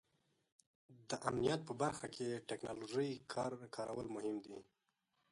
د امنیت په برخه کې د ټیکنالوژۍ کارول مهم دي.